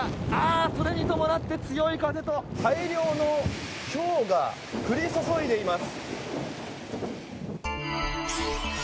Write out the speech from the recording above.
それに伴って強い風と大量のひょうが降り注いでいます。